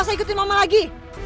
kalau bukan karena sama wu yanti